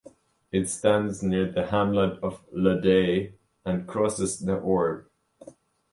It stands near the hamlet of "Le Day" and crosses the Orbe.